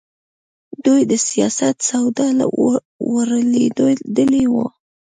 دوی د سیاست سودا ورلوېدلې وه.